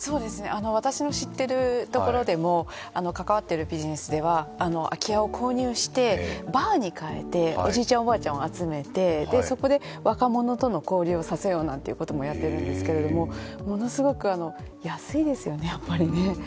私の知っているところでも関わっているビジネスでは空き家を購入して、バーに変えておじいちゃん、おばあちゃんを集めて、そこで若者との交流をさせようなんていうこともやっているんですけどものすごく安いですよね、やっぱりね。